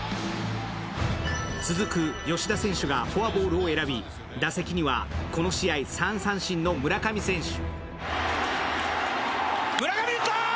続く吉田選手がフォアボールを選び、打席にはこの試合、３三振の村上選手。